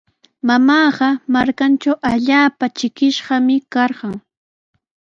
Mamaaqa markantraw allaapa trikishqami karqan.